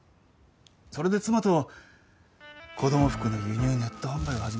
それで妻と子供服の輸入ネット販売を始めたんですが。